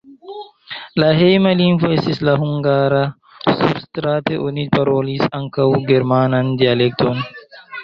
La hejma lingvo estis la hungara, surstrate oni parolis ankaŭ germanan dialekton.